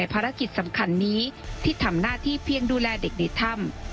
ภารกิจสำคัญนี้ที่ทำหน้าที่เพียงดูแลเด็กในถ้ำ